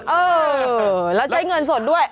เออแล้วใช้เงินสดด้วย